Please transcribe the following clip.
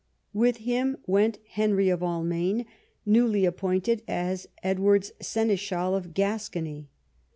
With him went Henry of Almaine, newly appointed as Edward's seneschal of Gascony.